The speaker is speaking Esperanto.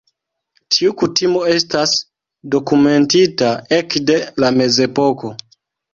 Tiu kutimo estas dokumentita ekde la Mezepoko.